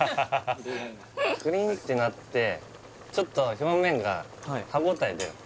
クリンってなってちょっと表面が歯応え出る